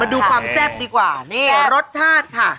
ดูความแซ่บดีกว่านี่รสชาติค่ะ